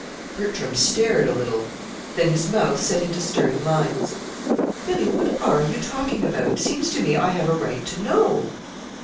Bertram stared a little. Then his mouth set into stern lines. "Billy, what are you talking about? Seems to me I have a right to know."